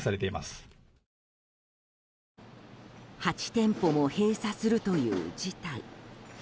８店舗も閉鎖するという事態。